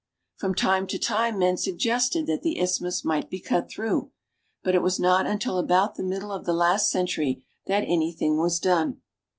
From time to time men suggested that the isthmus might be cut through ; but it was not until about the middle of the last century that anything was done.